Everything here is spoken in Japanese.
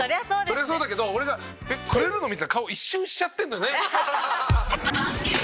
そりゃそうだけど俺が「えっ？くれるの？」みたいな顔一瞬しちゃってるのね。